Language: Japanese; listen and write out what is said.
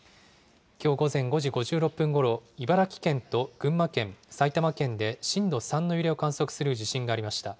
きょう午前５時５６分ごろ、茨城県と群馬県、埼玉県で震度３の揺れを観測する地震がありました。